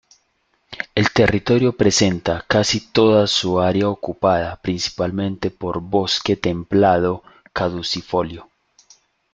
El territorio presenta casi toda su área ocupada principalmente por bosque templado caducifolio.